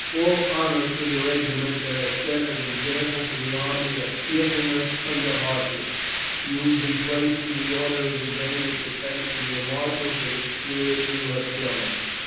All honour to the regiment that has set an example to the army of cheerfulness under hardships. You will be placed in the order of the day with the thanks of your marshal for the spirit you have shown.